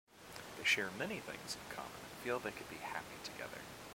They share many things in common and feel they could be happy together.